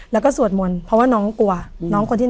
และก็สวดมนต์เพราะว่าน้องกลัว